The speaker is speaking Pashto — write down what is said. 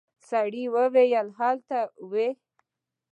سړي وويل ته هلته وې.